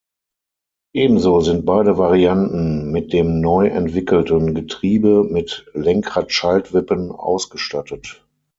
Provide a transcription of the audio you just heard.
Ebenso sind beide Varianten mit dem neu entwickelten Getriebe mit Lenkrad-Schaltwippen ausgestattet.